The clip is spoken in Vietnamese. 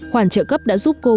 khoản trợ cấp đã giúp cô